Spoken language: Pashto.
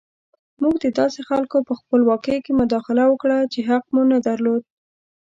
موږ د داسې خلکو په خپلواکۍ کې مداخله وکړه چې حق مو نه درلود.